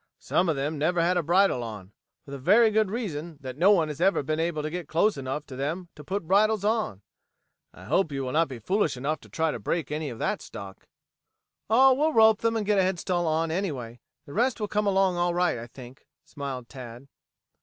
Some of them never had a bridle on, for the very good reason that no one ever has been able to get close enough to them to put bridles on. I hope you will not be foolish enough to try to break any of that stock." "Oh, we'll rope them and get a headstall on, anyway. The rest will come along all right, I think," smiled Tad.